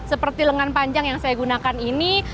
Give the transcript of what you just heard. seperti lengan panjang yang saya gunakan ini